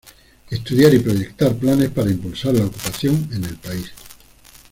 Estudiar y proyectar planes para impulsar la ocupación en el país.